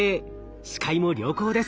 視界も良好です。